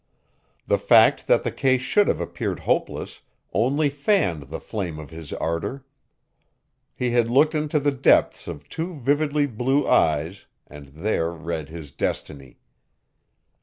The fact that the case should have appeared hopeless only fanned the flame of his ardor. He had looked into the depths of two vividly blue eyes and there read his destiny.